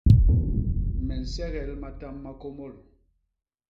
Me nsegel matam ma kômôl.